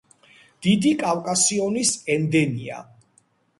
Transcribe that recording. დიდი კავკასიონის ენდემია.